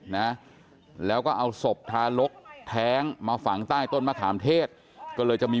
นะแล้วก็เอาศพทารกแท้งมาฝังใต้ต้นมะขามเทศก็เลยจะมี